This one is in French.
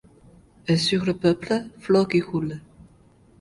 Et sur le peuple, flot qui roule